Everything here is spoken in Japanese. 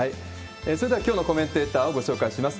それでは、きょうのコメンテーターをご紹介します。